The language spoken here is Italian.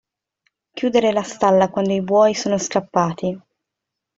Chiudere la stalla quando i buoi sono scappati.